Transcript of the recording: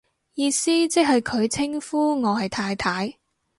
意思即係佢稱呼我係太太